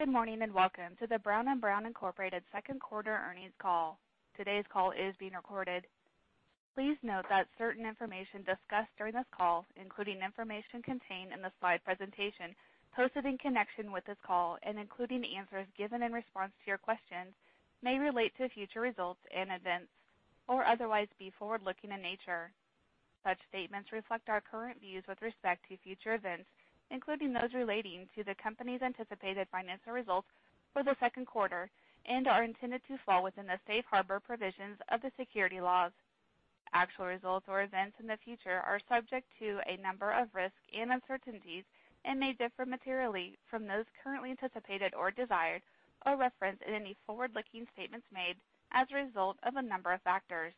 Good morning, and welcome to the Brown & Brown Incorporated second quarter earnings call. Today's call is being recorded. Please note that certain information discussed during this call, including information contained in the slide presentation posted in connection with this call, and including the answers given in response to your questions, may relate to future results and events or otherwise be forward-looking in nature. Such statements reflect our current views with respect to future events, including those relating to the company's anticipated financial results for the second quarter, and are intended to fall within the safe harbor provisions of the security laws. Actual results or events in the future are subject to a number of risks and uncertainties and may differ materially from those currently anticipated or desired, or referenced in any forward-looking statements made as a result of a number of factors.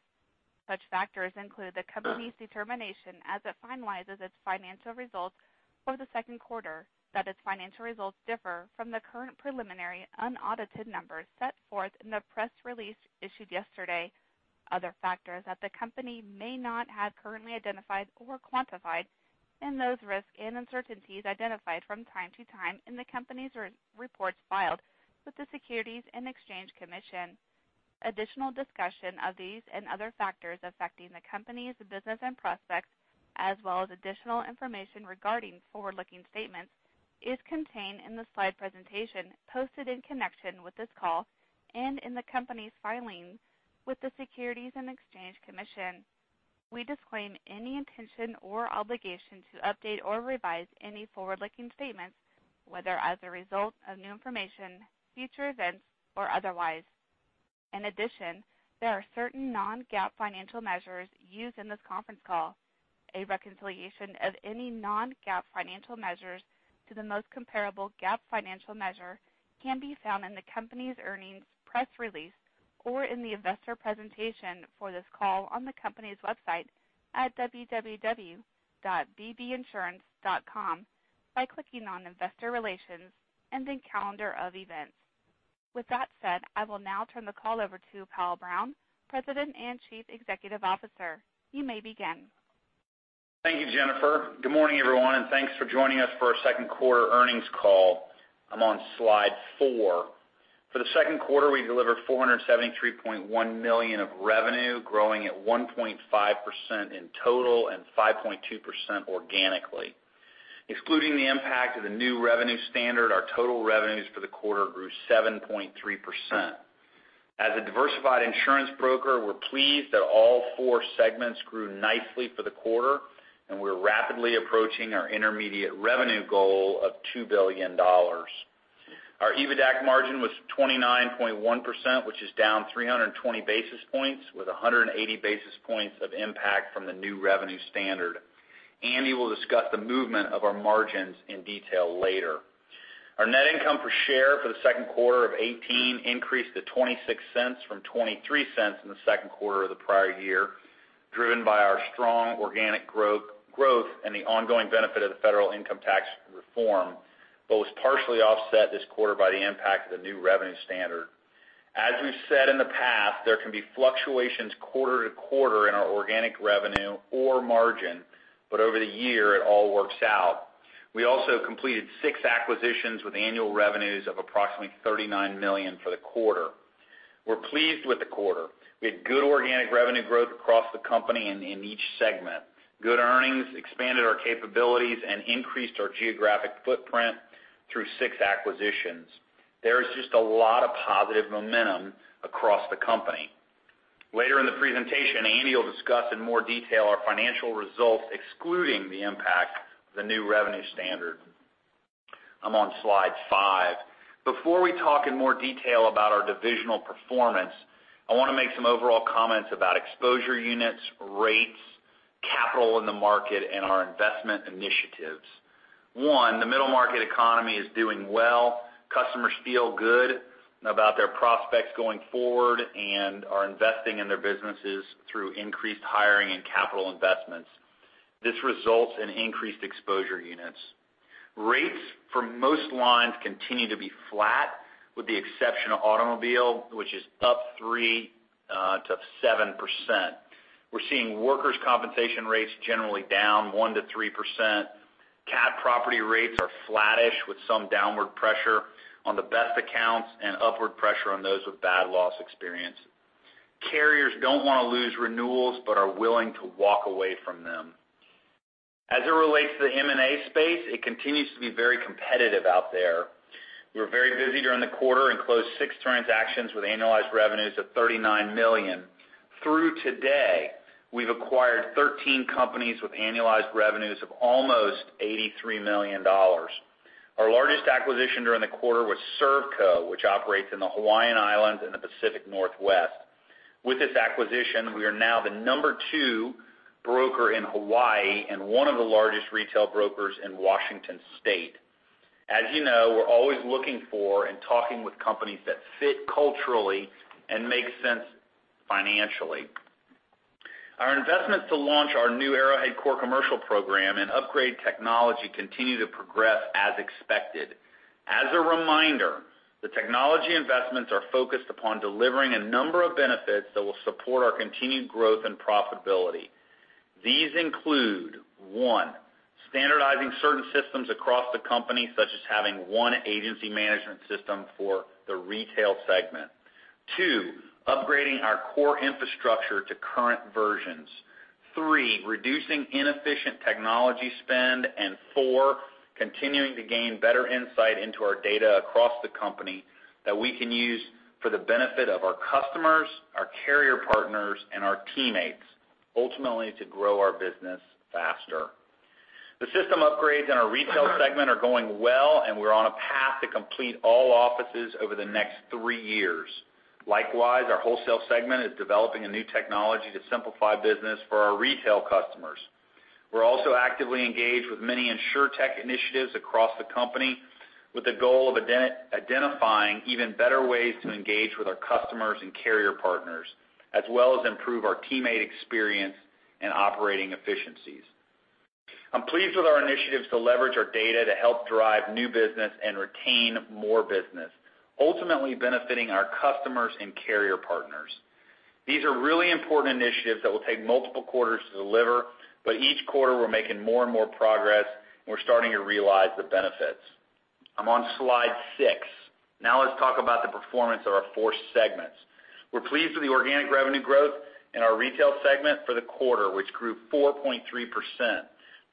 Such factors include the company's determination as it finalizes its financial results for the second quarter that its financial results differ from the current preliminary unaudited numbers set forth in the press release issued yesterday. Other factors that the company may not have currently identified or quantified, and those risks and uncertainties identified from time to time in the company's reports filed with the Securities and Exchange Commission. Additional discussion of these and other factors affecting the company's business and prospects, as well as additional information regarding forward-looking statements, is contained in the slide presentation posted in connection with this call and in the company's filings with the Securities and Exchange Commission. We disclaim any intention or obligation to update or revise any forward-looking statements, whether as a result of new information, future events, or otherwise. In addition, there are certain non-GAAP financial measures used in this conference call. A reconciliation of any non-GAAP financial measures to the most comparable GAAP financial measure can be found in the company's earnings press release or in the investor presentation for this call on the company's website at www.bbrown.com by clicking on Investor Relations and then Calendar of Events. With that said, I will now turn the call over to Powell Brown, President and Chief Executive Officer. You may begin. Thank you, Jennifer. Good morning, everyone, and thanks for joining us for our second quarter earnings call. I'm on slide four. For the second quarter, we delivered $473.1 million of revenue, growing at 1.5% in total and 5.2% organically. Excluding the impact of the new revenue standard, our total revenues for the quarter grew 7.3%. As a diversified insurance broker, we're pleased that all four segments grew nicely for the quarter, and we're rapidly approaching our intermediate revenue goal of $2 billion. Our EBITDAC margin was 29.1%, which is down 320 basis points, with 180 basis points of impact from the new revenue standard. Andy will discuss the movement of our margins in detail later. Our net income per share for the second quarter of 2018 increased to $0.26 from $0.23 in the second quarter of the prior year, driven by our strong organic growth and the ongoing benefit of the federal income tax reform, both partially offset this quarter by the impact of the new revenue standard. As we've said in the past, there can be fluctuations quarter-to-quarter in our organic revenue or margin, but over the year, it all works out. We also completed six acquisitions with annual revenues of approximately $39 million for the quarter. We're pleased with the quarter. We had good organic revenue growth across the company and in each segment, good earnings, expanded our capabilities, and increased our geographic footprint through six acquisitions. There is just a lot of positive momentum across the company. Later in the presentation, Andy will discuss in more detail our financial results, excluding the impact of the new revenue standard. I'm on slide five. Before we talk in more detail about our divisional performance, I want to make some overall comments about exposure units, rates, capital in the market, and our investment initiatives. One, the middle market economy is doing well. Customers feel good about their prospects going forward and are investing in their businesses through increased hiring and capital investments. This results in increased exposure units. Rates for most lines continue to be flat, with the exception of automobile, which is up 3%-7%. We're seeing workers' compensation rates generally down 1%-3%. Cat property rates are flattish, with some downward pressure on the best accounts and upward pressure on those with bad loss experience. Carriers don't want to lose renewals but are willing to walk away from them. As it relates to the M&A space, it continues to be very competitive out there. We were very busy during the quarter and closed six transactions with annualized revenues of $39 million. Through today, we've acquired 13 companies with annualized revenues of almost $83 million. Our largest acquisition during the quarter was Servco, which operates in the Hawaiian Islands and the Pacific Northwest. With this acquisition, we are now the number two broker in Hawaii and one of the largest retail brokers in Washington State. As you know, we're always looking for and talking with companies that fit culturally and make sense financially. Our investments to launch our new Arrowhead Core Commercial program and upgrade technology continue to progress as expected. As a reminder, the technology investments are focused upon delivering a number of benefits that will support our continued growth and profitability. These include. One, standardizing certain systems across the company, such as having one agency management system for the retail segment. Two, upgrading our core infrastructure to current versions. Three, reducing inefficient technology spend. Four, continuing to gain better insight into our data across the company that we can use for the benefit of our customers, our carrier partners, and our teammates, ultimately to grow our business faster. The system upgrades in our retail segment are going well, and we're on a path to complete all offices over the next three years. Likewise, our wholesale segment is developing a new technology to simplify business for our retail customers. We're also actively engaged with many insurtech initiatives across the company with the goal of identifying even better ways to engage with our customers and carrier partners, as well as improve our teammate experience and operating efficiencies. I'm pleased with our initiatives to leverage our data to help drive new business and retain more business, ultimately benefiting our customers and carrier partners. These are really important initiatives that will take multiple quarters to deliver, but each quarter, we're making more and more progress, and we're starting to realize the benefits. I'm on slide six. Let's talk about the performance of our four segments. We're pleased with the organic revenue growth in our retail segment for the quarter, which grew 4.3%.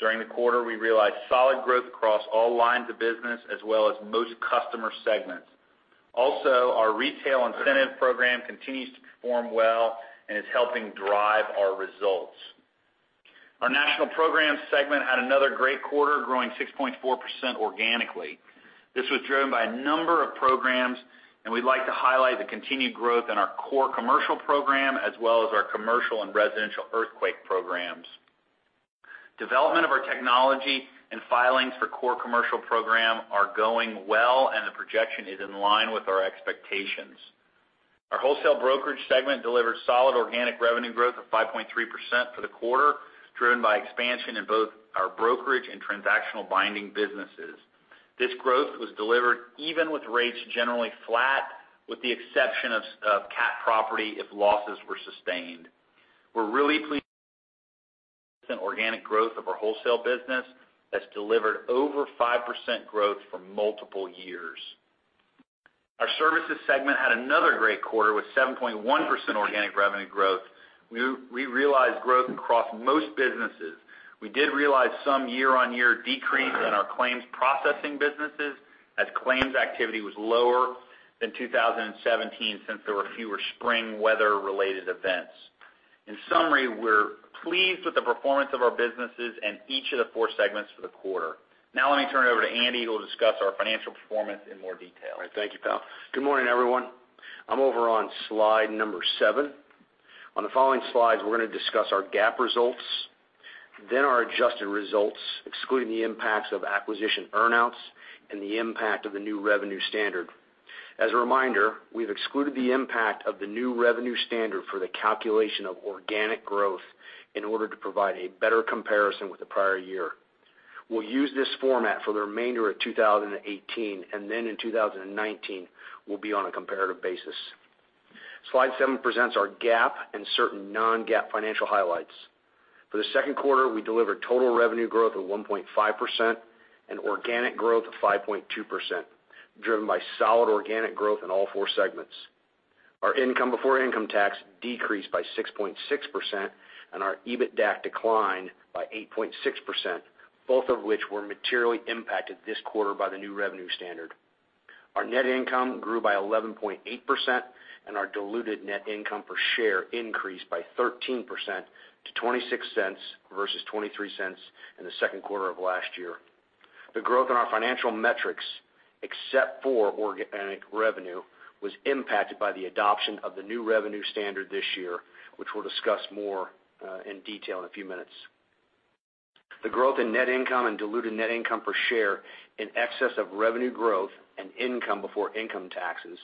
During the quarter, we realized solid growth across all lines of business as well as most customer segments. Our retail incentive program continues to perform well and is helping drive our results. Our national programs segment had another great quarter, growing 6.4% organically. This was driven by a number of programs, and we'd like to highlight the continued growth in our core commercial program, as well as our commercial and residential earthquake programs. Development of our technology and filings for core commercial program are going well, and the projection is in line with our expectations. Our wholesale brokerage segment delivered solid organic revenue growth of 5.3% for the quarter, driven by expansion in both our brokerage and transactional binding businesses. This growth was delivered even with rates generally flat, with the exception of cat property if losses were sustained. We're really pleased with the organic growth of our wholesale business that's delivered over 5% growth for multiple years. Our services segment had another great quarter with 7.1% organic revenue growth. We realized growth across most businesses. We did realize some year-on-year decrease in our claims processing businesses as claims activity was lower than 2017 since there were fewer spring weather related events. In summary, we're pleased with the performance of our businesses in each of the four segments for the quarter. Let me turn it over to Andy, who will discuss our financial performance in more detail. All right. Thank you, Powell. Good morning, everyone. I'm over on slide number seven. On the following slides, we're going to discuss our GAAP results, then our adjusted results, excluding the impacts of acquisition earn-outs and the impact of the new revenue standard. As a reminder, we've excluded the impact of the new revenue standard for the calculation of organic growth in order to provide a better comparison with the prior year. We'll use this format for the remainder of 2018, and then in 2019, we'll be on a comparative basis. Slide seven presents our GAAP and certain non-GAAP financial highlights. For the second quarter, we delivered total revenue growth of 1.5% and organic growth of 5.2%, driven by solid organic growth in all four segments. Our income before income tax decreased by 6.6%, our EBITDAC declined by 8.6%, both of which were materially impacted this quarter by the new revenue standard. Our net income grew by 11.8%, our diluted net income per share increased by 13% to $0.26 versus $0.23 in the second quarter of last year. The growth in our financial metrics, except for organic revenue, was impacted by the adoption of the new revenue standard this year, which we'll discuss more in detail in a few minutes. The growth in net income and diluted net income per share in excess of revenue growth and income before income taxes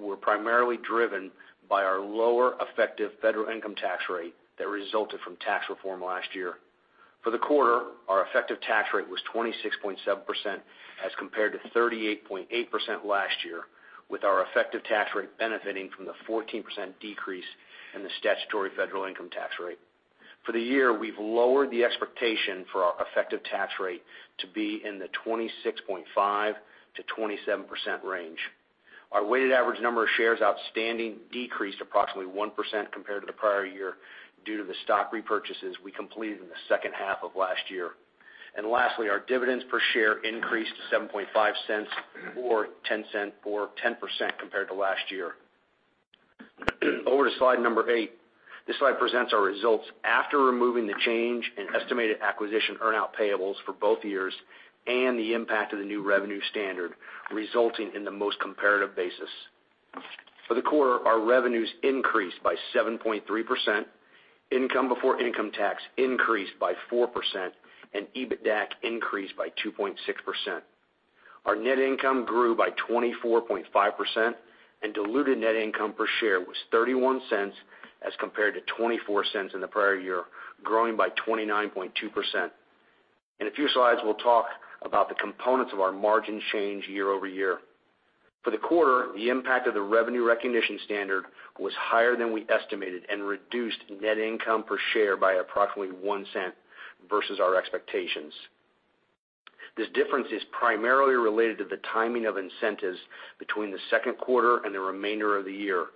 were primarily driven by our lower effective federal income tax rate that resulted from tax reform last year. For the quarter, our effective tax rate was 26.7% as compared to 38.8% last year, with our effective tax rate benefiting from the 14% decrease in the statutory federal income tax rate. For the year, we've lowered the expectation for our effective tax rate to be in the 26.5%-27% range. Our weighted average number of shares outstanding decreased approximately 1% compared to the prior year due to the stock repurchases we completed in the second half of last year. Lastly, our dividends per share increased to $0.075 or $0.10 for 10% compared to last year. Over to slide number eight. This slide presents our results after removing the change in estimated acquisition earn-out payables for both years and the impact of the new revenue standard, resulting in the most comparative basis. For the quarter, our revenues increased by 7.3%, income before income tax increased by 4%, EBITDAC increased by 2.6%. Our net income grew by 24.5%, diluted net income per share was $0.31 as compared to $0.24 in the prior year, growing by 29.2%. In a few slides, we'll talk about the components of our margin change year-over-year. For the quarter, the impact of the revenue recognition standard was higher than we estimated and reduced net income per share by approximately $0.01 versus our expectations. This difference is primarily related to the timing of incentives between the second quarter and the remainder of the year.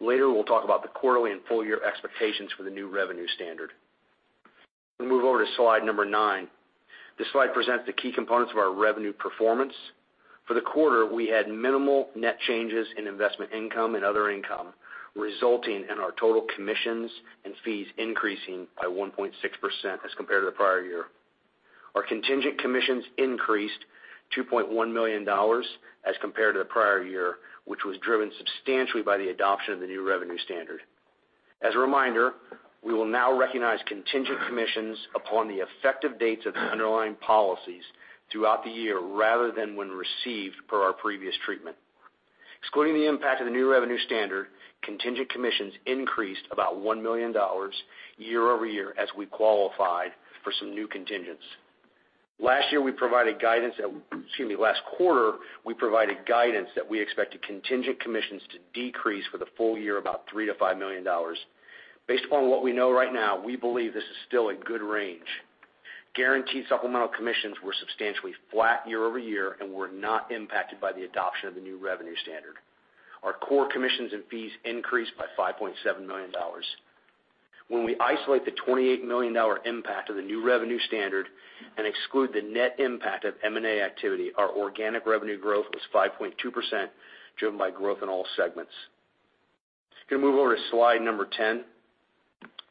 Later, we'll talk about the quarterly and full-year expectations for the new revenue standard. We move over to slide number nine. This slide presents the key components of our revenue performance. For the quarter, we had minimal net changes in investment income and other income, resulting in our total commissions and fees increasing by 1.6% as compared to the prior year. Our contingent commissions increased to $2.1 million as compared to the prior year, which was driven substantially by the adoption of the new revenue standard. As a reminder, we will now recognize contingent commissions upon the effective dates of the underlying policies throughout the year, rather than when received per our previous treatment. Excluding the impact of the new revenue standard, contingent commissions increased about $1 million year-over-year as we qualified for some new contingents. Last quarter, we provided guidance that we expected contingent commissions to decrease for the full year about $3 million-$5 million. Based upon what we know right now, we believe this is still a good range. Guaranteed supplemental commissions were substantially flat year-over-year and were not impacted by the adoption of the new revenue standard. Our core commissions and fees increased by $5.7 million. When we isolate the $28 million impact of the new revenue standard and exclude the net impact of M&A activity, our organic revenue growth was 5.2%, driven by growth in all segments. Just going to move over to slide number 10.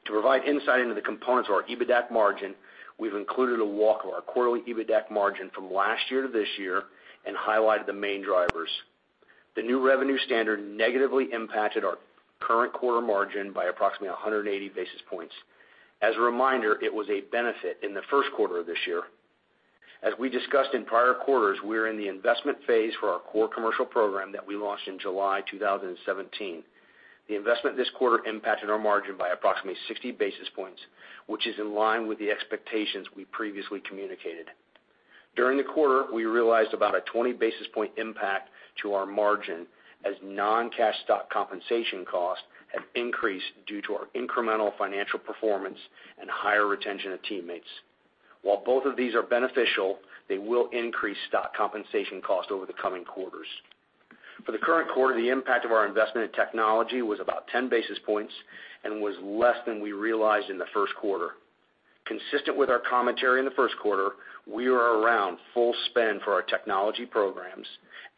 To provide insight into the components of our EBITDAC margin, we've included a walk of our quarterly EBITDAC margin from last year to this year and highlighted the main drivers. The new revenue standard negatively impacted our current quarter margin by approximately 180 basis points. As a reminder, it was a benefit in the first quarter of this year. As we discussed in prior quarters, we're in the investment phase for our core commercial program that we launched in July 2017. The investment this quarter impacted our margin by approximately 60 basis points, which is in line with the expectations we previously communicated. During the quarter, we realized about a 20 basis point impact to our margin as non-cash stock compensation costs have increased due to our incremental financial performance and higher retention of teammates. While both of these are beneficial, they will increase stock compensation costs over the coming quarters. For the current quarter, the impact of our investment in technology was about 10 basis points and was less than we realized in the first quarter. Consistent with our commentary in the first quarter, we are around full spend for our technology programs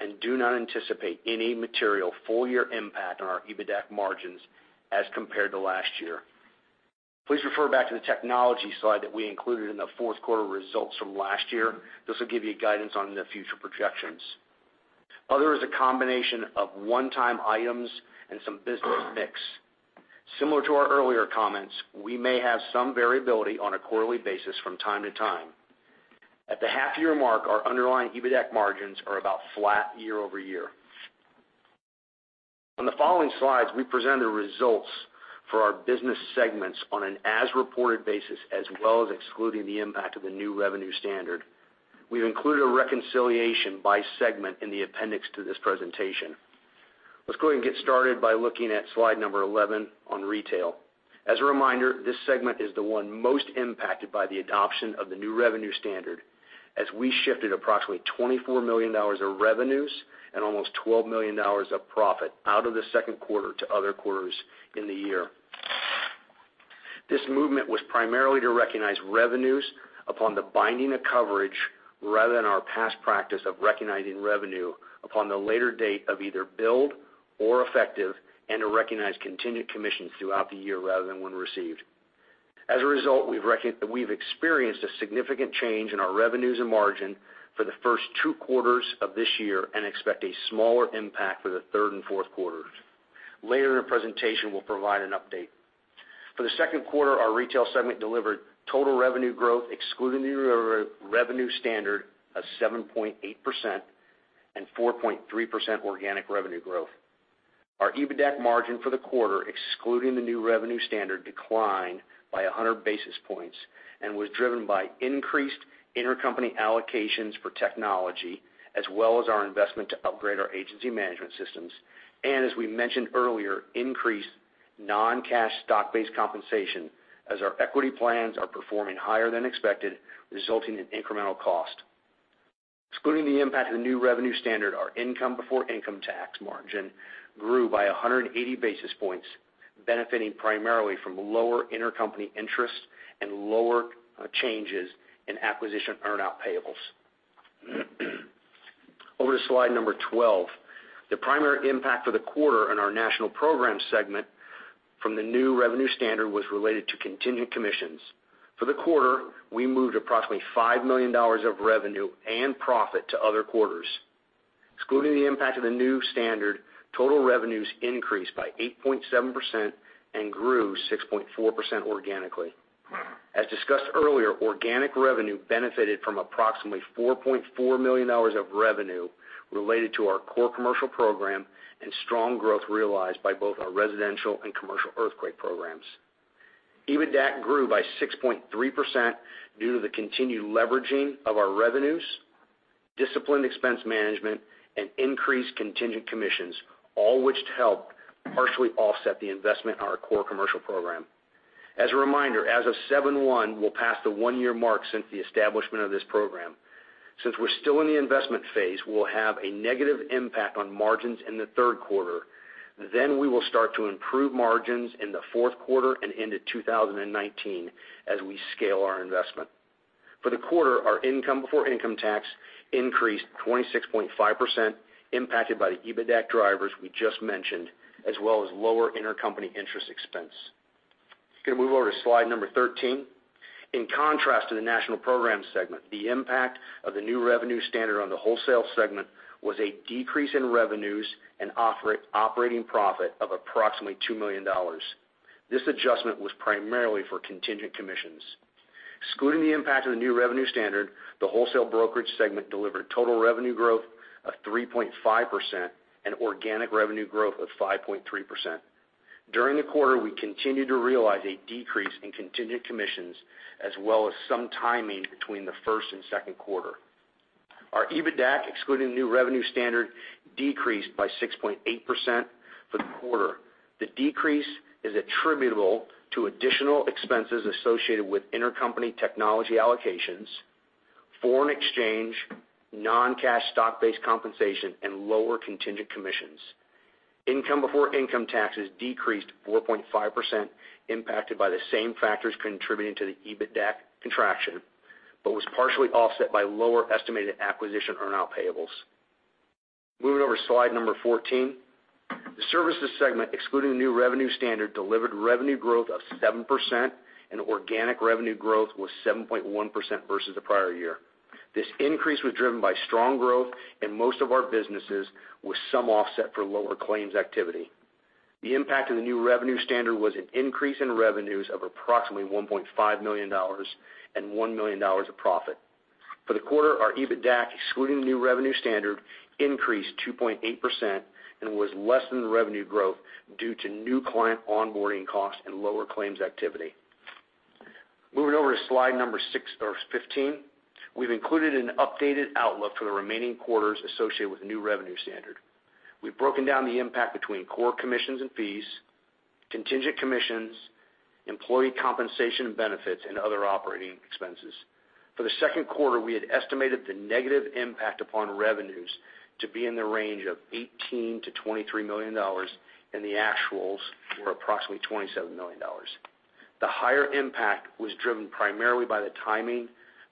and do not anticipate any material full-year impact on our EBITDAC margins as compared to last year. Please refer back to the technology slide that we included in the fourth quarter results from last year. This will give you guidance on the future projections. Other is a combination of one-time items and some business mix. Similar to our earlier comments, we may have some variability on a quarterly basis from time to time. At the half-year mark, our underlying EBITDAC margins are about flat year-over-year. On the following slides, we present the results for our business segments on an as-reported basis, as well as excluding the impact of the new revenue standard. We've included a reconciliation by segment in the appendix to this presentation. Let's go ahead and get started by looking at slide number 11 on retail. As a reminder, this segment is the one most impacted by the adoption of the new revenue standard, as we shifted approximately $24 million of revenues and almost $12 million of profit out of the second quarter to other quarters in the year. This movement was primarily to recognize revenues upon the binding of coverage rather than our past practice of recognizing revenue upon the later date of either build or effective, and to recognize contingent commissions throughout the year rather than when received. As a result, we've experienced a significant change in our revenues and margin for the first two quarters of this year and expect a smaller impact for the third and fourth quarters. Later in the presentation, we'll provide an update. For the second quarter, our retail segment delivered total revenue growth excluding the revenue standard of 7.8% and 4.3% organic revenue growth. Our EBITDAC margin for the quarter, excluding the new revenue standard, declined by 100 basis points and was driven by increased intercompany allocations for technology as well as our investment to upgrade our agency management systems and, as we mentioned earlier, increased non-cash stock-based compensation as our equity plans are performing higher than expected, resulting in incremental cost. Excluding the impact of the new revenue standard, our income before income tax margin grew by 180 basis points, benefiting primarily from lower intercompany interest and lower changes in acquisition earn-out payables. Over to slide number 12. The primary impact for the quarter on our national program segment from the new revenue standard was related to contingent commissions. For the quarter, we moved approximately $5 million of revenue and profit to other quarters. Excluding the impact of the new standard, total revenues increased by 8.7% and grew 6.4% organically. As discussed earlier, organic revenue benefited from approximately $4.4 million of revenue related to our core commercial program and strong growth realized by both our residential and commercial earthquake programs. EBITDAC grew by 6.3% due to the continued leveraging of our revenues, disciplined expense management, and increased contingent commissions, all which help partially offset the investment in our core commercial program. As a reminder, as of seven one, we'll pass the one-year mark since the establishment of this program. Since we're still in the investment phase, we'll have a negative impact on margins in the third quarter, then we will start to improve margins in the fourth quarter and into 2019 as we scale our investment. For the quarter, our income before income tax increased 26.5%, impacted by the EBITDAC drivers we just mentioned, as well as lower intercompany interest expense. You can move over to slide number 13. In contrast to the national program segment, the impact of the new revenue standard on the wholesale segment was a decrease in revenues and operating profit of approximately $2 million. This adjustment was primarily for contingent commissions. Excluding the impact of the new revenue standard, the wholesale brokerage segment delivered total revenue growth of 3.5% and organic revenue growth of 5.3%. During the quarter, we continued to realize a decrease in contingent commissions, as well as some timing between the first and second quarter. Our EBITDAC, excluding the new revenue standard, decreased by 6.8% for the quarter. The decrease is attributable to additional expenses associated with intercompany technology allocations, foreign exchange, non-cash stock-based compensation, and lower contingent commissions. Income before income taxes decreased 4.5%, impacted by the same factors contributing to the EBITDAC contraction but was partially offset by lower estimated acquisition earn-out payables. Moving over to slide number 14. The services segment, excluding the new revenue standard, delivered revenue growth of 7% and organic revenue growth was 7.1% versus the prior year. This increase was driven by strong growth in most of our businesses with some offset for lower claims activity. The impact of the new revenue standard was an increase in revenues of approximately $1.5 million and $1 million of profit. For the quarter, our EBITDAC, excluding the new revenue standard, increased 2.8% and was less than the revenue growth due to new client onboarding costs and lower claims activity. Moving over to slide 15. We've included an updated outlook for the remaining quarters associated with the new revenue standard. We've broken down the impact between core commissions and fees, contingent commissions, employee compensation and benefits, and other operating expenses. For the second quarter, we had estimated the negative impact upon revenues to be in the range of $18 million-$23 million, and the actuals were approximately $27 million. The higher impact was driven primarily by the timing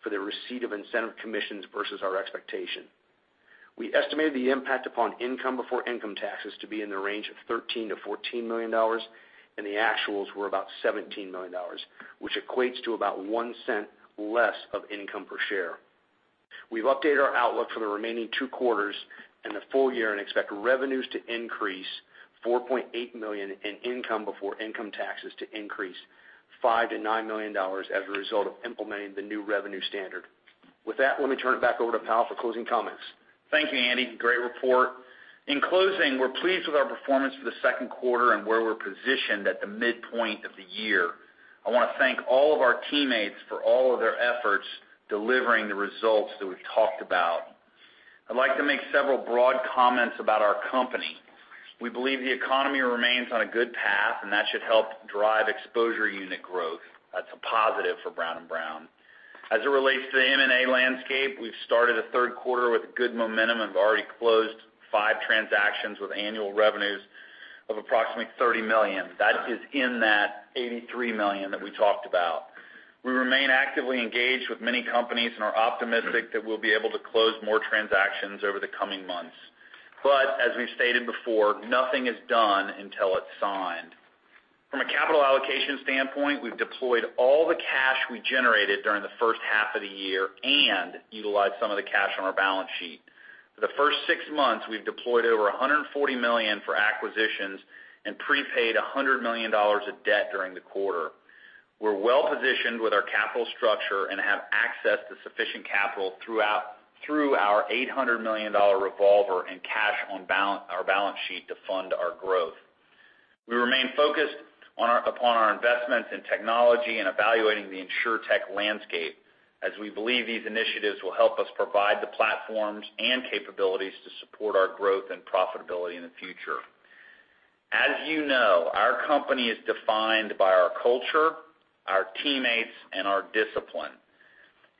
for the receipt of incentive commissions versus our expectation. We estimated the impact upon income before income taxes to be in the range of $13 million-$14 million, and the actuals were about $17 million, which equates to about $0.01 less of income per share. We've updated our outlook for the remaining two quarters and the full year and expect revenues to increase $4.8 million and income before income taxes to increase $5 million-$9 million as a result of implementing the new revenue standard. With that, let me turn it back over to Powell for closing comments. Thank you, Andy. Great report. In closing, we're pleased with our performance for the second quarter and where we're positioned at the midpoint of the year. I want to thank all of our teammates for all of their efforts delivering the results that we've talked about. I'd like to make several broad comments about our company. We believe the economy remains on a good path, and that should help drive exposure unit growth. That's a positive for Brown & Brown. As it relates to the M&A landscape, we've started the third quarter with good momentum and have already closed five transactions with annual revenues of approximately $30 million. That is in that $83 million that we talked about. We remain actively engaged with many companies and are optimistic that we'll be able to close more transactions over the coming months. As we've stated before, nothing is done until it's signed. From a capital allocation standpoint, we've deployed all the cash we generated during the first half of the year and utilized some of the cash on our balance sheet. For the first six months, we've deployed over $140 million for acquisitions and prepaid $100 million of debt during the quarter. We're well-positioned with our capital structure and have access to sufficient capital through our $800 million revolver and cash on our balance sheet to fund our growth. We remain focused upon our investments in technology and evaluating the insurtech landscape as we believe these initiatives will help us provide the platforms and capabilities to support our growth and profitability in the future. As you know, our company is defined by our culture, our teammates, and our discipline.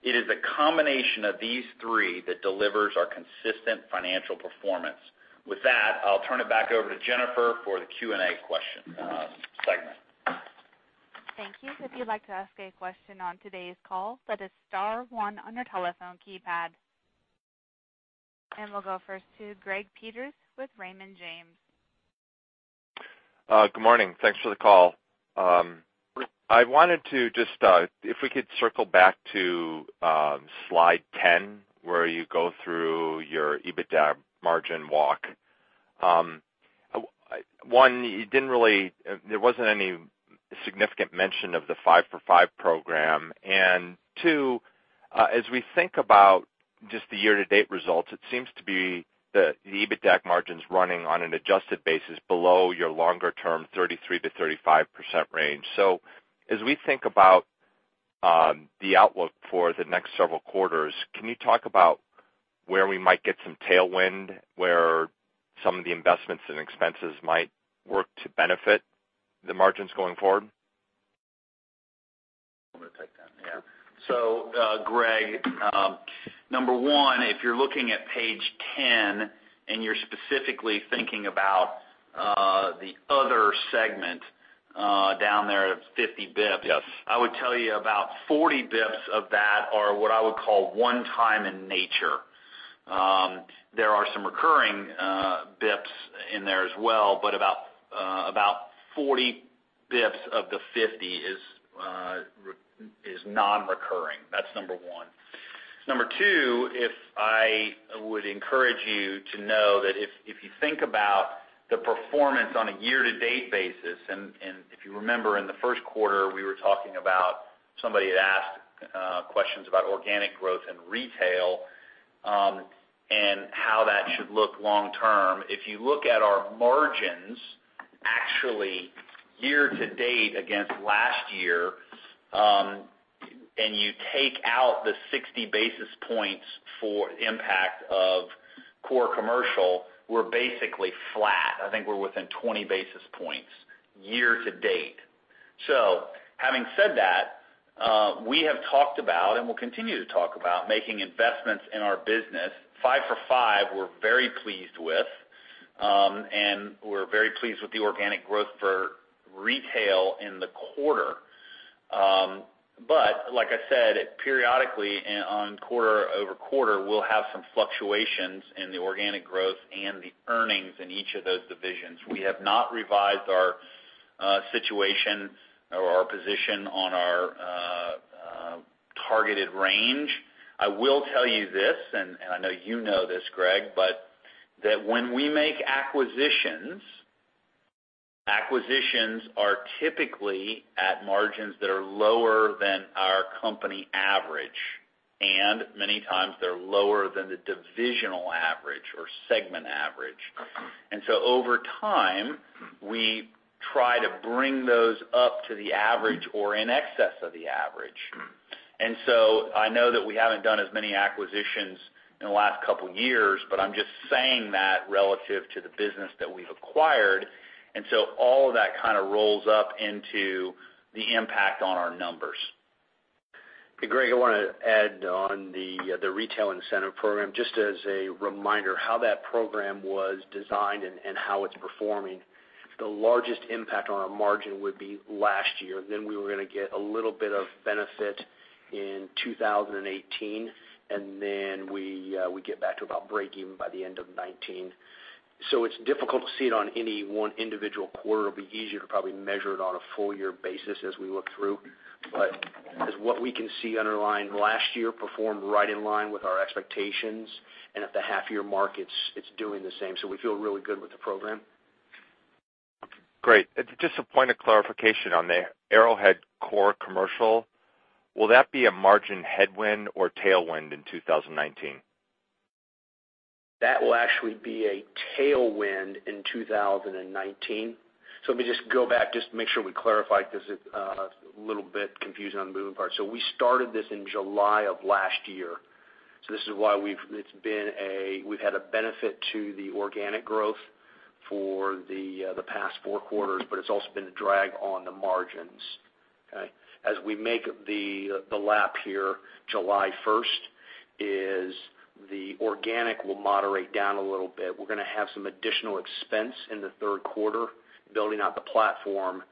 It is a combination of these three that delivers our consistent financial performance. With that, I'll turn it back over to Jennifer for the Q&A segment. Thank you. If you'd like to ask a question on today's call, that is star one on your telephone keypad. We'll go first to Greg Peters with Raymond James. Good morning. Thanks for the call. If we could circle back to slide 10, where you go through your EBITDAC margin walk. One, there wasn't any significant mention of the 5 for 5 program. Two As we think about just the year-to-date results, it seems to be the EBITDAC margin's running on an adjusted basis below your longer-term 33%-35% range. As we think about the outlook for the next several quarters, can you talk about where we might get some tailwind, where some of the investments and expenses might work to benefit the margins going forward? I'm going to take that, yeah. Greg, number 1, if you're looking at page 10 and you're specifically thinking about the other segment down there of 50 basis points- Yes I would tell you about 40 basis points of that are what I would call one time in nature. There are some recurring basis points in there as well, but about 40 basis points of the 50 is non-recurring. That's number 1. Number 2, I would encourage you to know that if you think about the performance on a year-to-date basis, if you remember, in the first quarter, we were talking about somebody had asked questions about organic growth and retail, and how that should look long term. If you look at our margins actually year to date against last year, and you take out the 60 basis points for impact of Core Commercial, we're basically flat. I think we're within 20 basis points year to date. Having said that, we have talked about, and will continue to talk about, making investments in our business. 5 for 5, we're very pleased with. We're very pleased with the organic growth for retail in the quarter. Like I said, periodically on quarter-over-quarter, we'll have some fluctuations in the organic growth and the earnings in each of those divisions. We have not revised our situation or our position on our targeted range. I will tell you this, and I know you know this, Greg, when we make acquisitions are typically at margins that are lower than our company average, and many times they're lower than the divisional average or segment average. Okay. Over time, we try to bring those up to the average or in excess of the average. I know that we haven't done as many acquisitions in the last couple of years, but I'm just saying that relative to the business that we've acquired. All of that kind of rolls up into the impact on our numbers. Hey, Greg, I want to add on the retail incentive program, just as a reminder how that program was designed and how it is performing. The largest impact on our margin would be last year. We were going to get a little bit of benefit in 2018, and then we get back to about breakeven by the end of 2019. It is difficult to see it on any one individual quarter. It will be easier to probably measure it on a full-year basis as we look through. As what we can see underlying last year performed right in line with our expectations and at the half year mark, it is doing the same. We feel really good with the program. Great. Just a point of clarification on the Arrowhead Core Commercial. Will that be a margin headwind or tailwind in 2019? That will actually be a tailwind in 2019. Let me just go back just to make sure we clarify, because it is a little bit confusing on the moving parts. We started this in July of last year. This is why we have had a benefit to the organic growth for the past four quarters, but it is also been a drag on the margins. Okay? As we make the lap here, July 1st is the organic will moderate down a little bit. We are going to have some additional expense in the third quarter building out the platform.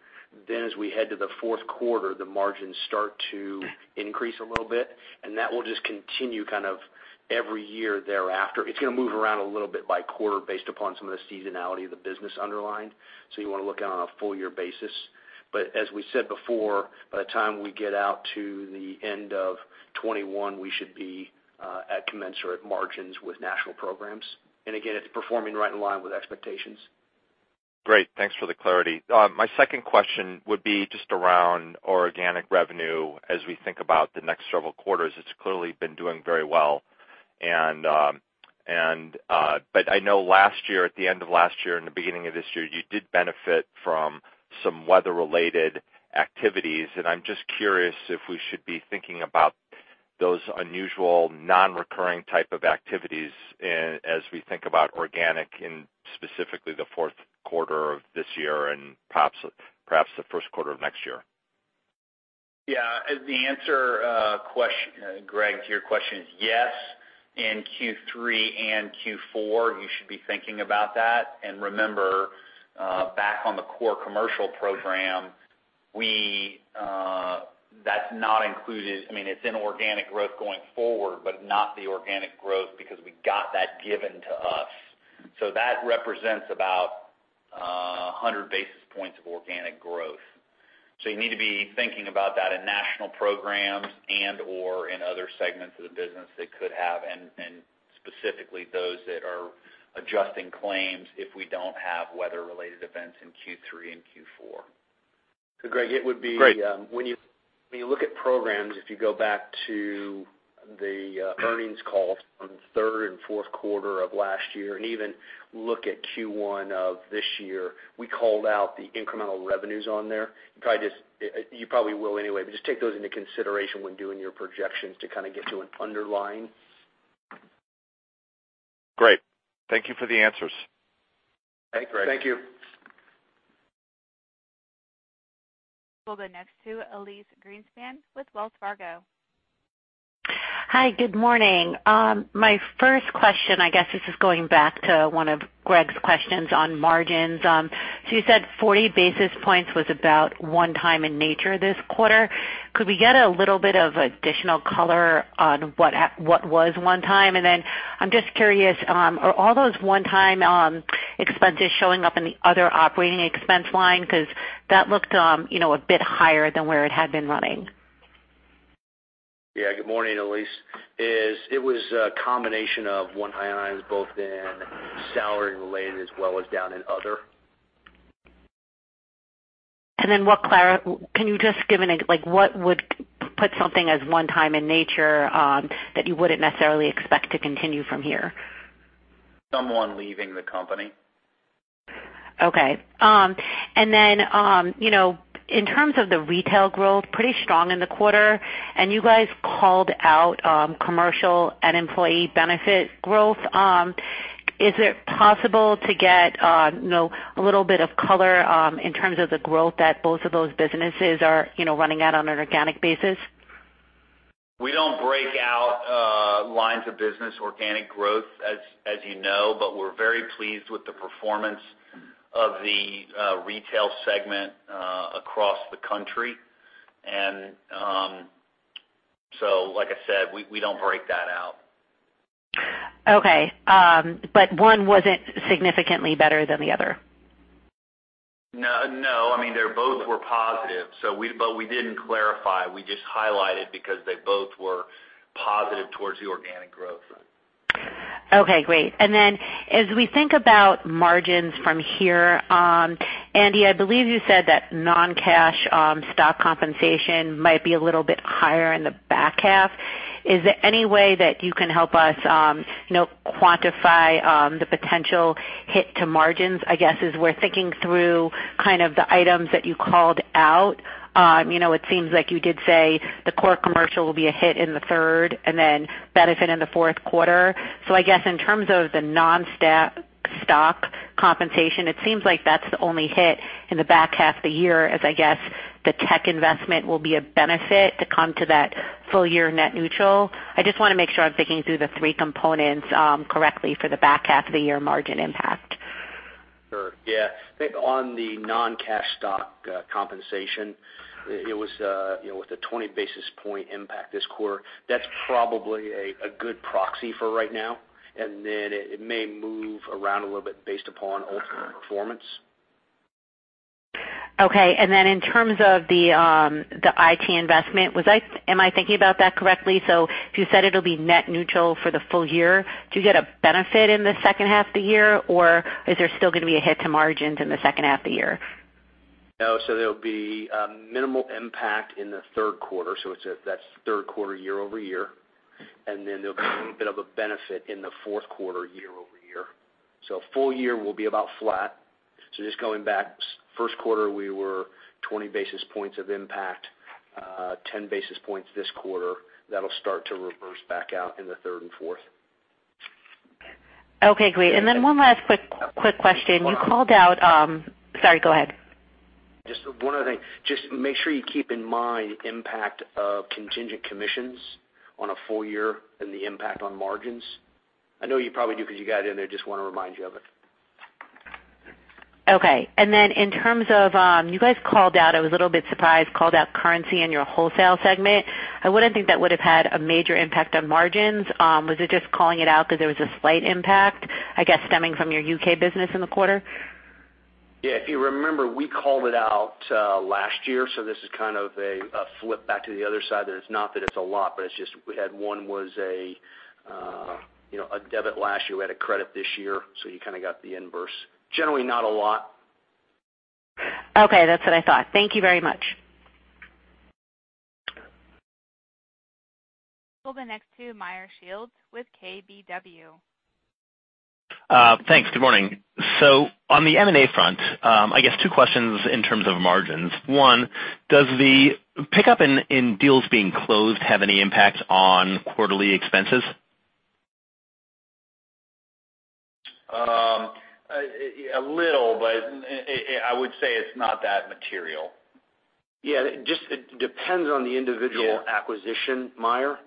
As we head to the fourth quarter, the margins start to increase a little bit, and that will just continue kind of every year thereafter. It is going to move around a little bit by quarter based upon some of the seasonality of the business underlined. You want to look on a full-year basis. As we said before, by the time we get out to the end of 2021, we should be at commensurate margins with national programs. Again, it is performing right in line with expectations. Great. Thanks for the clarity. My second question would be just around organic revenue as we think about the next several quarters. It's clearly been doing very well. I know at the end of last year and the beginning of this year, you did benefit from some weather-related activities, and I'm just curious if we should be thinking about those unusual non-recurring type of activities as we think about organic in specifically the fourth quarter of this year and perhaps the first quarter of next year. Yeah. The answer, Greg, to your question is yes. In Q3 and Q4, you should be thinking about that. Remember, back on the core commercial program, that's not included. I mean, it's in organic growth going forward, but not the organic growth because we got that given to us. That represents about 100 basis points of organic growth. You need to be thinking about that in national programs and/or in other segments of the business that could have, and specifically those that are adjusting claims if we don't have weather-related events in Q3 and Q4. Greg, when you look at programs, if you go back to the earnings calls from third and fourth quarter of last year, and even look at Q1 of this year, we called out the incremental revenues on there. You probably will anyway, but just take those into consideration when doing your projections to get to an underlying. Great. Thank you for the answers. Thank you. We'll go next to Elyse Greenspan with Wells Fargo. Hi. Good morning. My first question, I guess this is going back to one of Greg's questions on margins. You said 40 basis points was about one time in nature this quarter. Could we get a little bit of additional color on what was one time? I'm just curious, are all those one-time expenses showing up in the other operating expense line? Because that looked a bit higher than where it had been running. Good morning, Elyse. It was a combination of one-time items both in salary related as well as down in other. Can you just give an example, what would put something as one time in nature that you wouldn't necessarily expect to continue from here? Someone leaving the company. Okay. Then in terms of the retail growth, pretty strong in the quarter, and you guys called out commercial and employee benefit growth. Is it possible to get a little bit of color in terms of the growth that both of those businesses are running at on an organic basis? We don't break out lines of business organic growth, as you know, so like I said, we don't break that out. Okay. One wasn't significantly better than the other? No. They both were positive. We didn't clarify, we just highlighted because they both were positive towards the organic growth. Okay, great. As we think about margins from here, Andy, I believe you said that non-cash stock compensation might be a little bit higher in the back half. Is there any way that you can help us quantify the potential hit to margins, I guess, as we're thinking through the items that you called out? It seems like you did say the core commercial will be a hit in the third and then benefit in the fourth quarter. I guess in terms of the non-stock compensation, it seems like that's the only hit in the back half of the year as I guess the tech investment will be a benefit to come to that full year net neutral. I just want to make sure I'm thinking through the three components correctly for the back half of the year margin impact. Sure, yeah. I think on the non-cash stock compensation, it was with a 20 basis point impact this quarter. That's probably a good proxy for right now, and then it may move around a little bit based upon overall performance. Okay, in terms of the IT investment, am I thinking about that correctly? If you said it'll be net neutral for the full year, do you get a benefit in the second half of the year, or is there still going to be a hit to margins in the second half of the year? No, there'll be a minimal impact in the third quarter. That's third quarter year-over-year, and then there'll be a little bit of a benefit in the fourth quarter year-over-year. Full year will be about flat. Just going back, first quarter, we were 20 basis points of impact, 10 basis points this quarter. That'll start to reverse back out in the third and fourth. Okay, great. One last quick question. Sorry, go ahead. Just one other thing. Just make sure you keep in mind impact of contingent commissions on a full year and the impact on margins. I know you probably do because you got it in there, just want to remind you of it. Okay. In terms of, you guys called out, I was a little bit surprised, called out currency in your wholesale segment. I wouldn't think that would have had a major impact on margins. Was it just calling it out because there was a slight impact, I guess, stemming from your U.K. business in the quarter? Yeah, if you remember, we called it out last year, this is kind of a flip back to the other side. Not that it's a lot, but it's just we had one was a debit last year. We had a credit this year, you kind of got the inverse. Generally, not a lot. Okay. That's what I thought. Thank you very much. We'll go next to Meyer Shields with KBW. Thanks. Good morning. On the M&A front, I guess two questions in terms of margins. One, does the pickup in deals being closed have any impact on quarterly expenses? A little, I would say it's not that material. Yeah, it depends on the individual acquisition, Meyer,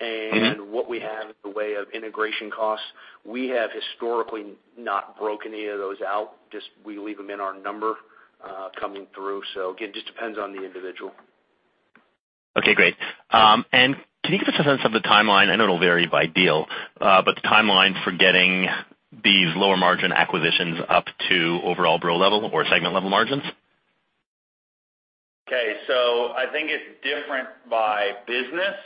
and what we have in the way of integration costs. We have historically not broken any of those out, just we leave them in our number coming through. Again, just depends on the individual. Okay, great. Can you give us a sense of the timeline? I know it'll vary by deal, but the timeline for getting these lower margin acquisitions up to overall Brown & Brown level or segment level margins? Okay. I think it's different by business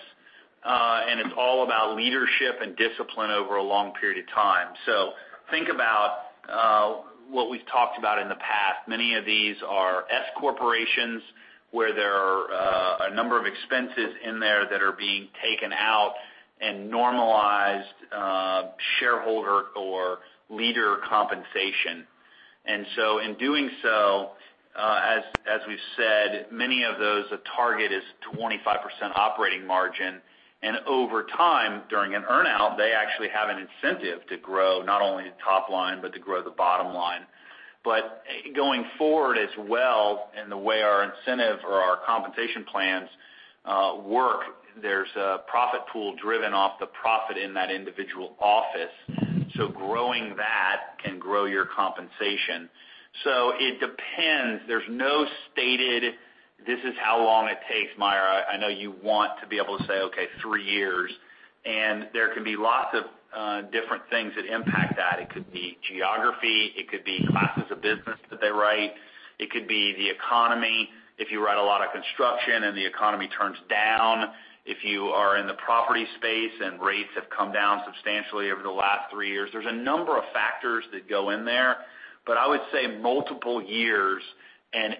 It's all about leadership and discipline over a long period of time. Think about what we've talked about in the past. Many of these are S corporations where there are a number of expenses in there that are being taken out and normalized shareholder or leader compensation. In doing so, as we've said, many of those, the target is 25% operating margin, and over time, during an earn-out, they actually have an incentive to grow not only the top line but to grow the bottom line. Going forward as well, and the way our incentive or our compensation plans work, there's a profit pool driven off the profit in that individual office. Growing that can grow your compensation. It depends. There's no stated, this is how long it takes, Meyer. I know you want to be able to say, okay, three years, and there can be lots of different things that impact that. It could be geography, it could be classes of business that they write. It could be the economy. If you write a lot of construction and the economy turns down, if you are in the property space and rates have come down substantially over the last three years. There's a number of factors that go in there, but I would say multiple years, and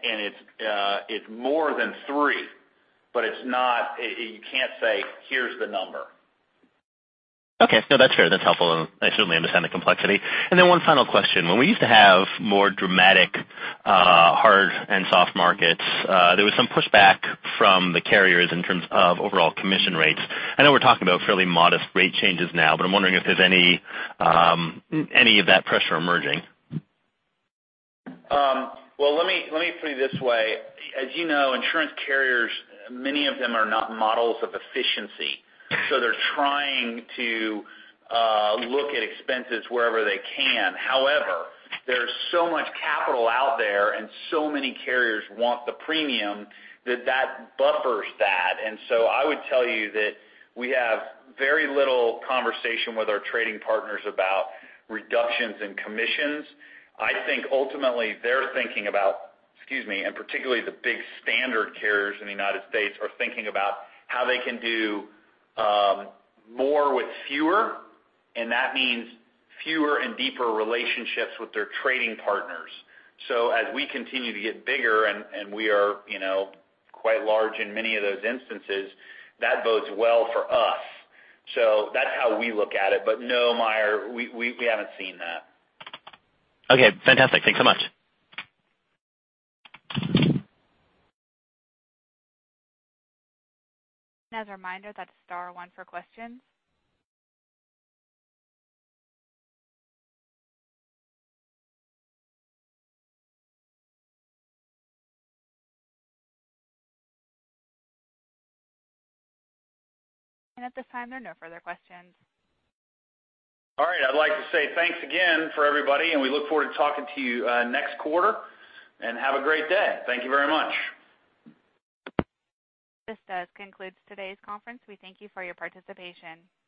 it's more than three, but you can't say, here's the number. Okay. No, that's fair. That's helpful, and I certainly understand the complexity. One final question. When we used to have more dramatic hard and soft markets, there was some pushback from the carriers in terms of overall commission rates. I know we're talking about fairly modest rate changes now, but I'm wondering if there's any of that pressure emerging. Well, let me put it this way. As you know, insurance carriers, many of them are not models of efficiency, so they're trying to look at expenses wherever they can. However, there's so much capital out there and so many carriers want the premium that buffers that. I would tell you that we have very little conversation with our trading partners about reductions in commissions. I think ultimately they're thinking about, excuse me, and particularly the big standard carriers in the U.S. are thinking about how they can do more with fewer, and that means fewer and deeper relationships with their trading partners. As we continue to get bigger, and we are quite large in many of those instances, that bodes well for us. That's how we look at it. No, Meyer, we haven't seen that. Okay, fantastic. Thanks so much. As a reminder, that's star one for questions. At this time, there are no further questions. All right. I'd like to say thanks again for everybody, and we look forward to talking to you next quarter. Have a great day. Thank you very much. This does conclude today's conference. We thank you for your participation.